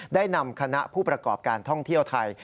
ได้นำคณะผู้ประกอบการท่องเที่ยวไทย